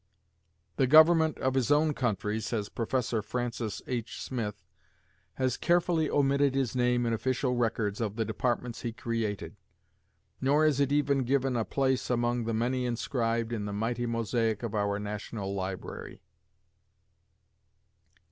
The government of his own country, says Professor Francis H. Smith, has "carefully omitted his name in official records of the departments he created"; nor is it even given a place among the many inscribed in the mighty mosaic of our National Library.